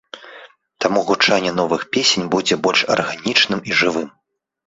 Таму гучанне новых песень будзе больш арганічным і жывым.